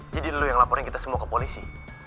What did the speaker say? jadi lo yang laporin kita semua ke polisi